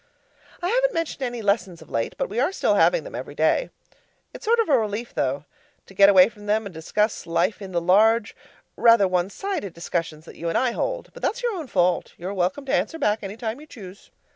I haven't mentioned any lessons of late; but we are still having them every day. It's sort of a relief though, to get away from them and discuss life in the large rather one sided discussions that you and I hold, but that's your own fault. You are welcome to answer back any time you choose.